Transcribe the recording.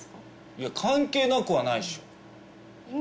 いや関係なくはないっしょ意味